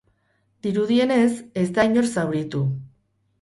Dirudienez, ez da inor zauritu.